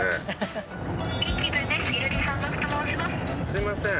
すいません。